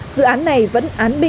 dự án này vẫn án binh bất kỳ